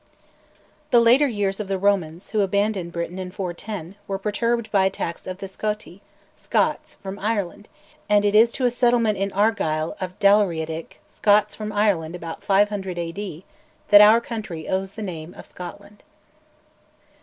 The later years of the Romans, who abandoned Britain in 410, were perturbed by attacks of the Scoti (Scots) from Ireland, and it is to a settlement in Argyll of "Dalriadic" Scots from Ireland about 500 A.D. that our country owes the name of Scotland.